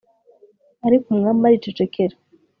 ariko umwami aricecekera